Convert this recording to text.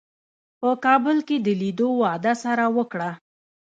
په کابل کې د لیدو وعده سره وکړه.